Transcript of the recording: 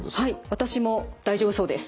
私も大丈夫そうです。